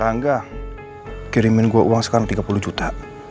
angga kirimin gue uang sekarang tiga puluh juta